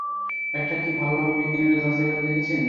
একটাও কি ভালোভাবে বিজ্ঞানীরা যাচাই করে দেখেছেন?